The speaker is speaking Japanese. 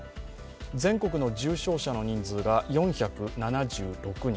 全国の重症者の人数が４７６人。